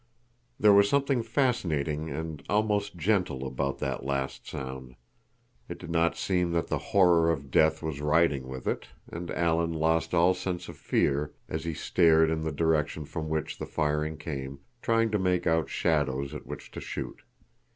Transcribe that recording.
There was something fascinating and almost gentle about that last sound. It did not seem that the horror of death was riding with it, and Alan lost all sense of fear as he stared in the direction from which the firing came, trying to make out shadows at which to shoot.